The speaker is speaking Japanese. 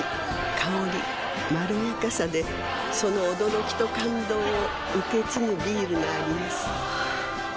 香りまろやかさでその驚きと感動を受け継ぐビールがあります